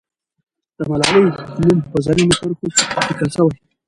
د ملالۍ نوم په زرینو کرښو لیکل سوی.